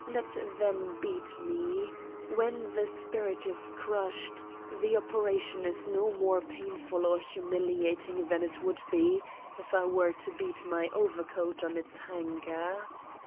Let them beat me! When the spirit is crushed the operation is no more painful or humiliating than it would be if I were to beat my overcoat on its hanger.